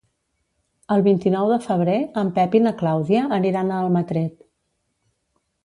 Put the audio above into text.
El vint-i-nou de febrer en Pep i na Clàudia aniran a Almatret.